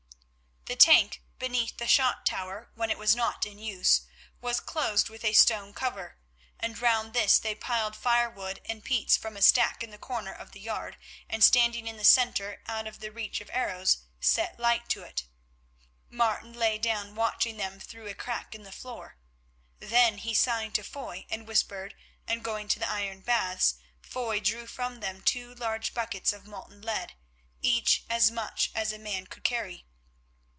The tank beneath the shot tower, when it was not in use, was closed with a stone cover, and around this they piled firewood and peats from a stack in the corner of the yard, and standing in the centre out of the reach of arrows, set light to it. Martin lay down watching them through a crack in the floor. Then he signed to Foy, and whispered, and going to the iron baths, Foy drew from them two large buckets of molten lead, each as much as a man could carry.